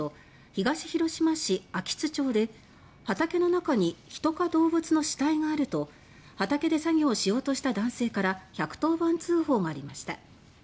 東広島市安芸津町で「畑の中に人か動物の死体がある」と畑で作業をしようとした男性から１１０番通報がありました。